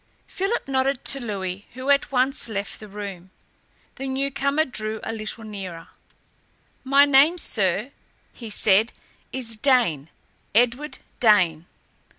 Philip nodded to Louis, who at once left the room. The newcomer drew a little nearer. "My name, sir," he said, "is Dane Edward Dane."